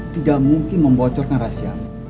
tidak mungkin membocorkan rahasia